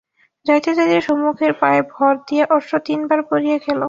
যাইতে যাইতে সম্মুখের পায়ে ভর দিয়া অশ্ব তিন বার পড়িয়া গেল।